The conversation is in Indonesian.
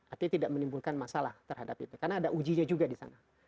artinya tidak menimbulkan masalah terhadap itu karena ada ujinya juga di sana